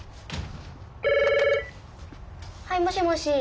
はいもしもし。